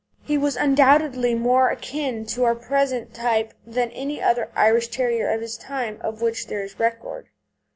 He was undoubtedly more akin to our present type than any other Irish Terrier of his time of which there is record.